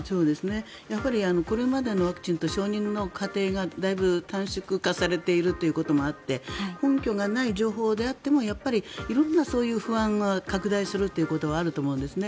やっぱり、これまでのワクチンと承認の過程がだいぶ短縮化されているということもあって根拠がない情報であっても色んなそういう不安が拡大するということはあると思うんですね。